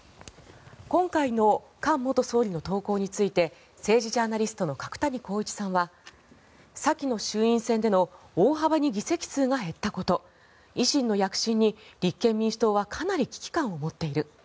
今回の菅元総理の投稿について政治ジャーナリストの角谷浩一さんは先の衆院選での大幅に議席数が減ったこと維新の躍進に立憲民主党はかなり危機感を持っている。